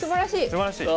すばらしい。